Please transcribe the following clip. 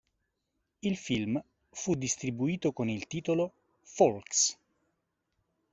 Il film fu distribuito con il titolo "Folks!